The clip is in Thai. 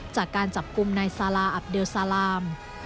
จากการจับกลุ่มนายซาลาอับเลซาลาม